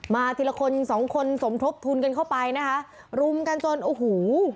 ทีละคนสองคนสมทบทุนกันเข้าไปนะคะรุมกันจนโอ้โห